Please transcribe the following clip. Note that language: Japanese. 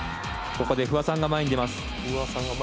ここで不破さんが前に出ます。